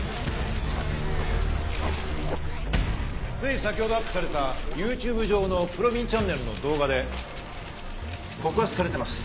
つい先ほどアップされたＹｏｕＴｕｂｅ上の『ぷろびんチャンネル』の動画で告発されてます。